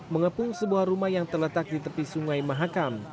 mengepung sebuah rumah yang terletak di tepi sungai mahakam